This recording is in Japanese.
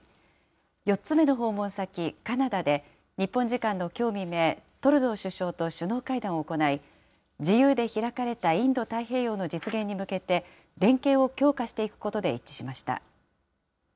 ４つ目の訪問先、カナダで、日本時間のきょう未明、トルドー首相と首脳会談を行い、自由で開かれたインド太平洋の実現に向けて、連携を強化していくことで一致しました。